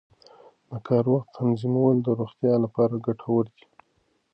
د کار وخت تنظیمول د روغتیا لپاره ګټور دي.